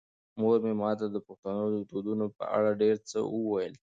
مور مې ماته د پښتنو د دودونو په اړه ډېر څه وویل.